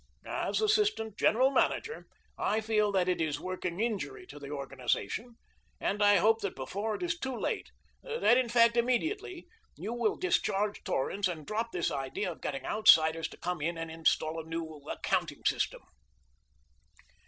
As assistant general manager, I feel that it is working injury to the organization, and I hope that before it is too late that, in fact, immediately, you will discharge Torrance and drop this idea of getting outsiders to come in and install a new accounting system."